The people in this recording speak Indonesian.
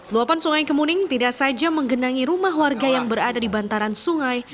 luapan sungai kemuning tidak saja menggenangi rumah warga yang berada di bantaran sungai